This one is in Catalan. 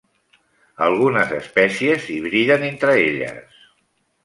Algunes espècies hibriden entre elles.